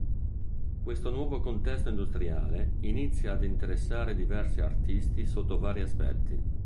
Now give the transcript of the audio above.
Questo nuovo contesto industriale inizia ad interessare diversi artisti sotto vari aspetti.